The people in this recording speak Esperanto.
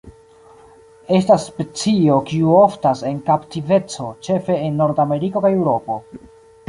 Estas specio kiu oftas en kaptiveco ĉefe en Nordameriko kaj Eŭropo.